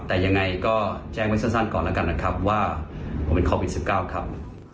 แต่ยังไงก็แจ้งไว้สั้นก่อนแล้วกันนะครับว่าผมเป็นโควิด๑๙ครับ